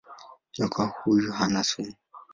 Nyoka huyu hana sumu.